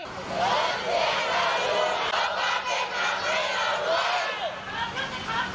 เกิดเสียงเราอยู่เขามาเป็นทางให้เรารวย